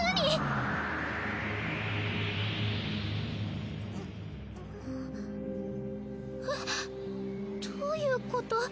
えっどういうこと？